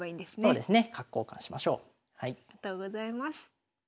ありがとうございます。